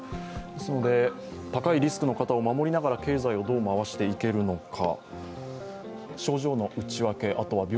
ですので、高いリスクの方を守りながら経済をどう回していけるのか。